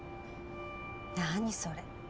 何それ。